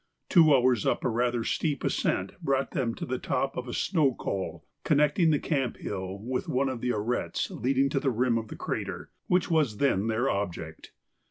Two hours up a rather steep ascent brought them to the top of a snow col connecting the camp hill with one of the arêtes leading to the rim of the crater which was then their object.